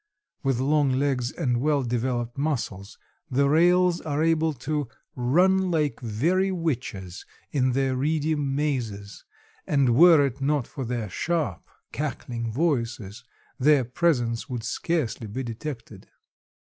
With long legs and well developed muscles the rails are able to "run like very witches in their reedy mazes, and were it not for their sharp, cackling voices, their presence would scarcely be detected."